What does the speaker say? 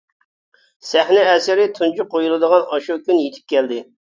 سەھنە ئەسىرى تۇنجى قۇيۇلىدىغان ئاشۇ كۈن يېتىپ كەلدى.